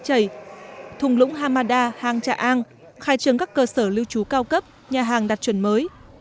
chảy thùng lũng hamada hàng trà an khai trương các cơ sở lưu trú cao cấp nhà hàng đặt chuẩn mới